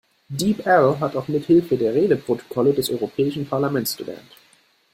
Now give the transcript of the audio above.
Deep-L hat auch mithilfe der Redeprotokolle des europäischen Parlaments gelernt.